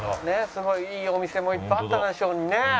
すごいいいお店もいっぱいあったでしょうにね。